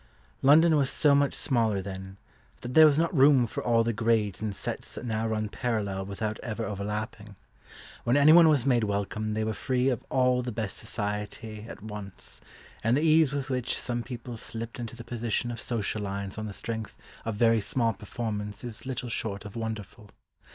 London was so much smaller then, that there was not room for all the grades and sets that now run parallel without ever overlapping. When anyone was made welcome they were free of all the best society at once, and the ease with which some people slipped into the position of social lions on the strength of very small performance is little short of wonderful.